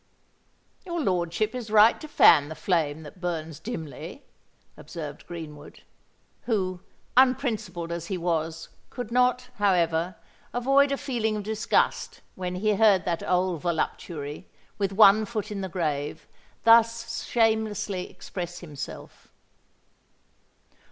"Your lordship is right to fan the flame that burns dimly," observed Greenwood, who, unprincipled as he was, could not, however, avoid a feeling of disgust when he heard that old voluptuary, with one foot in the grave, thus shamelessly express himself.